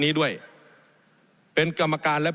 มีล้ำตีตั้นเนี่ยมีล้ำตีตั้นเนี่ย